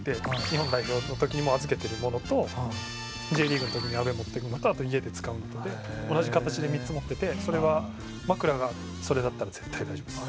日本代表の時にも預けてるものとＪリーグの時にアウェーに持っていくのとあと家で使うのとで同じ形で３つ持っててそれは枕がそれだったら絶対大丈夫です。